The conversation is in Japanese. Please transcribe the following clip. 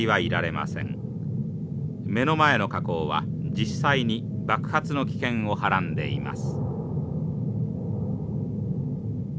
目の前の火口は実際に爆発の危険をはらんでいます。